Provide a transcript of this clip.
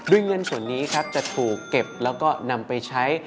โดยเงินส่วนนี้ครับจะถูกเก็บแล้วก็นำไปใช้